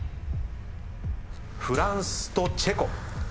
フランスとチェコ。